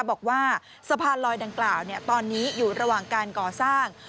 บอกว่าสะพานลอยดังกล่าวตอนนี้อยู่ระหว่างการก่อสร้าง